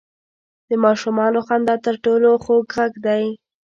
• د ماشومانو خندا تر ټولو خوږ ږغ دی.